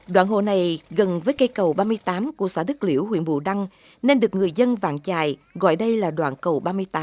đoạn hồ này gần với cây cầu ba mươi tám của xã đức liễu huyện bù đăng nên được người dân vàng trài gọi đây là đoạn cầu ba mươi tám